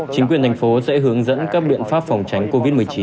chính quyền thành phố sẽ hướng dẫn các biện pháp phòng tránh covid một mươi chín